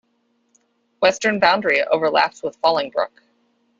Western boundary overlaps with Fallingbrook.